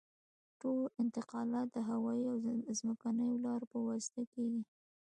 ټول انتقالات د هوایي او ځمکنیو لارو په واسطه کیږي